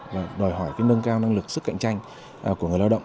và đòi hỏi nâng cao năng lực sức cạnh tranh của người lao động